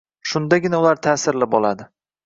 Shundagina ular ta’sirli bo’ladi.